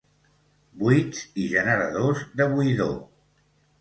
Buits i generadors de buidor.